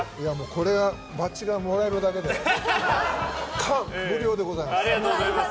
これはバッジがもらえるだけでありがとうございます。